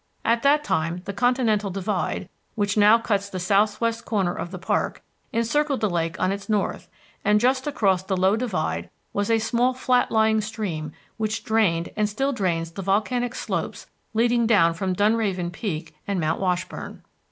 At that time the Continental Divide, which now cuts the southwest corner of the park, encircled the lake on its north, and just across the low divide was a small flat lying stream which drained and still drains the volcanic slopes leading down from Dunraven Peak and Mount Washburn.